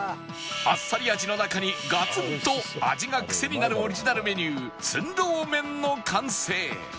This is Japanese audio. あっさり味の中にガツンと味がクセになるオリジナルメニュー葱肉麺の完成